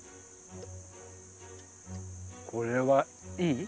これは。いい？